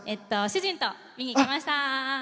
主人と見に行きました！